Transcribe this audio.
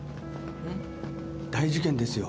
大事件ですよ。